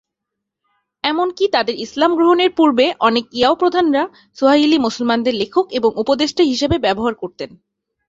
এমনকি তাদের ইসলাম গ্রহণের পূর্বে, অনেক ইয়াও প্রধানরা সোয়াহিলি মুসলমানদের লেখক এবং উপদেষ্টা হিসেবে ব্যবহার করতেন।